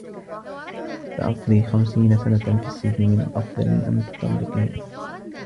سأقضي خمسين سنة في السّجن. من الأفضل أن تطلّقيني.